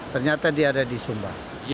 ternyata dia ada di sumba